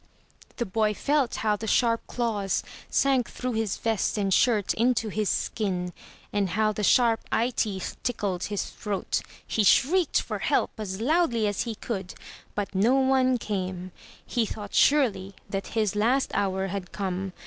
1 The boy felt how the sharp claws sank through his vest and 418 THROUGH FAIRY HALLS shirt into his skin; and how the sharp eyeteeth tickled his throat. He shrieked for help as loudly as he could, but no one came. He thought surely that his last hour had come.